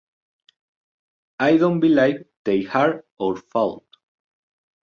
I don't believe they are our fault.